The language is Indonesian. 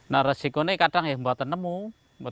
nah resiko ini kadang yang tidak menemukan